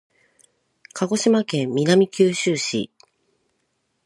鹿児島県南九州市